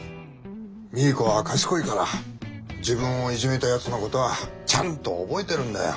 ミーコは賢いから自分をいじめたやつのことはちゃんと覚えてるんだよ。